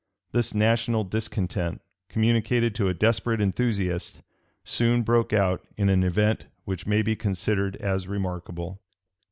This national discontent, communicated to a desperate enthusiast, soon broke out in an event which may be considered as remarkable.